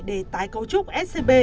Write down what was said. để tái cấu trúc scb